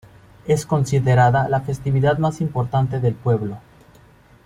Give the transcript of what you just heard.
Es considerada la festividad más importante del pueblo.